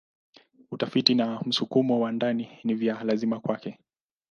Utafiti na msukumo wa ndani ni vya lazima kwake.